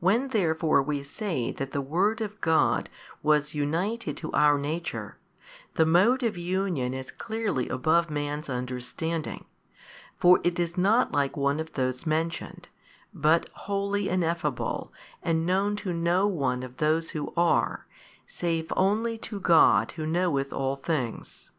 When therefore we say that the Word of God was united to our nature, the mode of union is clearly above man's understanding; for it is not like one of those mentioned, but wholly ineffable and known to no one of those who are, save only to God Who knoweth all things.